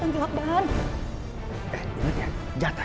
dan semoga sepanjang hari